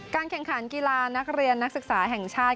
แข่งขันกีฬานักเรียนนักศึกษาแห่งชาติ